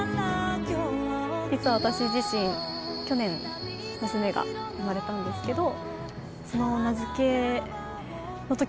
実は私自身去年娘が生まれたんですけど。